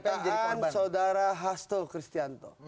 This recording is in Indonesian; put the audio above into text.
pertama pernyataan saudara hasto kristianto